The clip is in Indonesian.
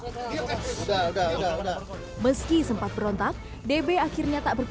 meski sempat berontak db akhirnya tak berkutik saat polisi menunjukkan video rekaman kekerasan yang dilakukannya